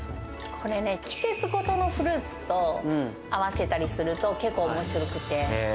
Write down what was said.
これね、季節ごとのフルーツと合わせたりすると、結構おもしろくて。